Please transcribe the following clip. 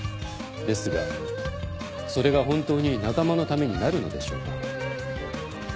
ですがそれが本当に仲間のためになるのでしょうか？